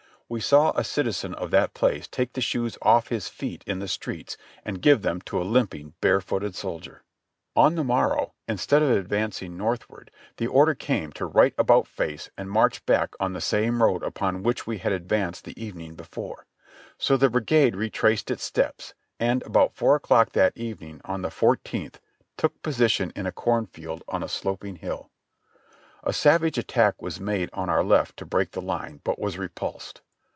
We saw a citizen of that place take the shoes off his feet in the streets and give them to a limping, barefooted soldier. On the morrow, instead of advancing northward, the order came to right about face and march back on the same road upon which we had advanced the evening before ; so the brigade re traced its steps, and about four o'clock that evening, on the four teenth, took position in a corn field on a sloping hill. A savage attack w^as made on our left to break the line, but was repulsed.